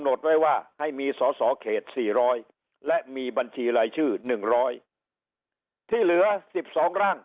โปรคิดสีร้อยและมีบัญชีลายชื่อหนึ่งร้อยที่เหลือสิบสองร่าง